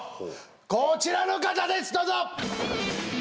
こちらの方ですどうぞ。